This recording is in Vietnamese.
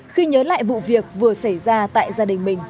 khi nhớ lại vụ việc vừa xảy ra tại gia đình mình